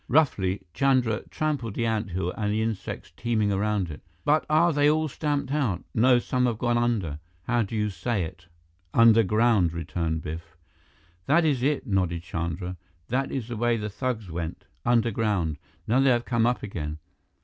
Roughly, Chandra trampled the anthill and the insects teeming around it. "But are they all stamped out? No, some have gone under how do you say it?" "Underground," returned Biff. "That is it," nodded Chandra. "That is the way the thugs went. Underground. Now they have come up again."